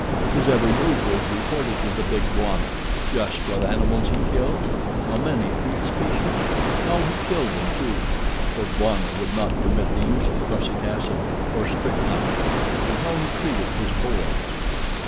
His every move was reported to the big Bwana—just what animals he killed and how many of each species, how he killed them, too, for Bwana would not permit the use of prussic acid or strychnine; and how he treated his "boys."